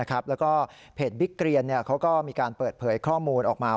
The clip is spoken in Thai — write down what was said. แล้วก็เพจบิ๊กเกรียนเขาก็มีการเปิดเผยข้อมูลออกมา